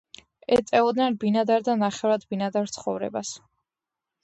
ეწეოდნენ ბინადარ და ნახევრად ბინადარ ცხოვრებას.